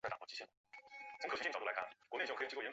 该厂后来还为中国人民志愿军提供了大量卷烟和烟丝。